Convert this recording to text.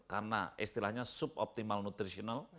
karena istilahnya suboptimal nutritional